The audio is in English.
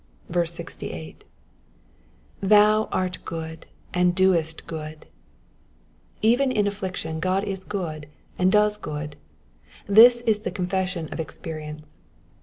68. '^T/iou art good^ and daest goody Even in affliction God is good, and does good. This is the confession of experience.